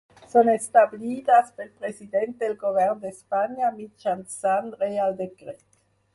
Són establides pel President del Govern d'Espanya mitjançant Reial Decret.